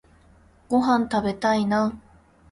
ごはんたべたいな